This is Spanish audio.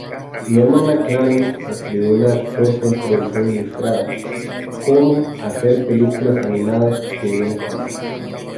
Norman McLaren escribió una corta introducción ilustrada "¿Cómo hacer películas animadas sin una cámara?